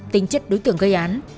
tính chất đối tượng gây án